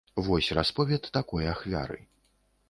Вось расповед такой ахвяры.